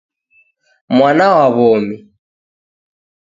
Mwana wa womi